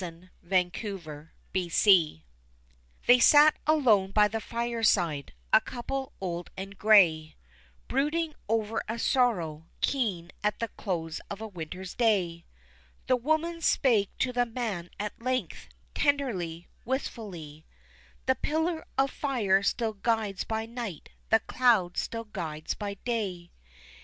] The Prodigal They sat alone by the fireside, a couple old and gray, Brooding over a sorrow keen at the close of a winter's day. The woman spake to the man at length, tenderly, wistfully, "The pillar of fire still guides by night, the cloud still guides by day.